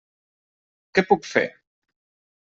Què puc fer?